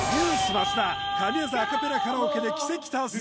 増田神業アカペラカラオケで奇跡達成